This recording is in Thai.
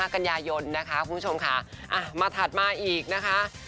กันยายนนะคะคุณผู้ชมค่ะมาถัดมาอีกนะคะ